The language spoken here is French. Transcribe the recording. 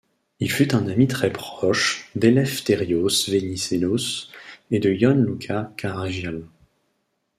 Il fut un ami très proche d'Elefthérios Venizélos et de Ion Luca Caragiale.